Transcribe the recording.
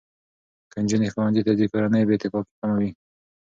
که نجونې ښوونځي ته ځي، کورنۍ بې اتفاقي کمه وي.